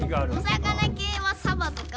お魚けいはサバとか。